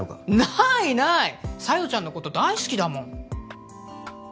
ないない小夜ちゃんのこと大好きだもん